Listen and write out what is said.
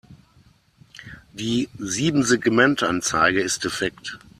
Die Siebensegmentanzeige ist defekt.